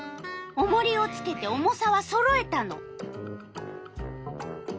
おもりをつけて重さはそろえたの。